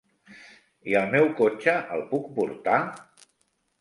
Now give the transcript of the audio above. I el meu cotxe, el puc portar?